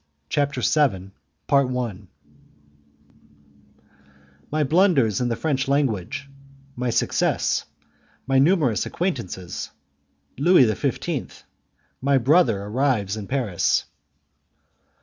CHAPTER VII My Blunders in the French Language, My Success, My Numerous Acquaintances Louis XV. My Brother Arrives in Paris.